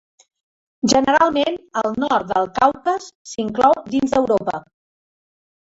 Generalment, el nord del Caucas s'inclou dins d'Europa.